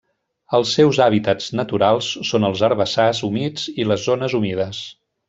Els seus hàbitats naturals són els herbassars humits i les zones humides.